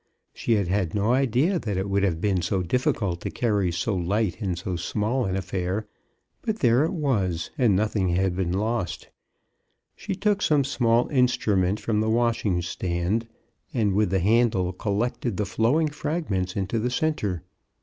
She had had no idea that it would have been so difficult to carry so light and so small an affair. But there it was, and 20 CHRISTMAS AT THOMPSON HALL. nothing had been lost. She took some small instrument from the washing stand, and with the handle collected the flowing fragments into the centre.